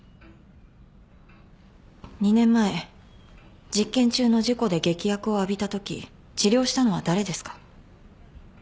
２年前実験中の事故で劇薬を浴びたとき治療したのは誰ですか？